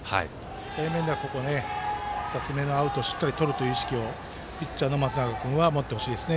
そういう面ではここ２つ目のアウトしっかりとるという意識をピッチャーの松永君は持ってほしいですね。